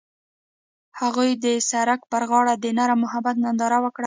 هغوی د سړک پر غاړه د نرم محبت ننداره وکړه.